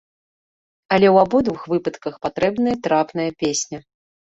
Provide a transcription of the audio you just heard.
Але ў абодвух выпадках патрэбная трапная песня.